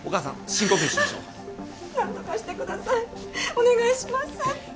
お願いします。